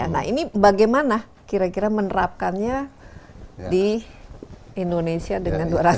nah ini bagaimana kira kira menerapkannya di indonesia dengan dua ratus lima puluh